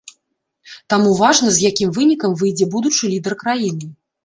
Таму важна, з якім вынікам выйдзе будучы лідар краіны.